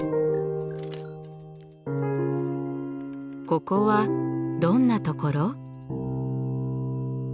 ここはどんなところ？